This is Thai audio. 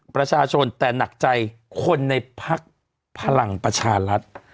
ประชาชนแต่หนักใจคนในพักพลังประชารัฐ